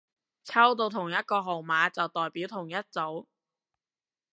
抽到同一個號碼就代表同一組